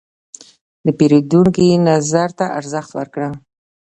د پیرودونکي نظر ته ارزښت ورکړه.